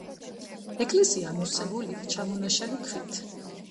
ეკლესია ამოვსებულია ჩამონაშალი ქვით.